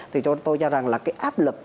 thì tôi cho rằng là cái áp lực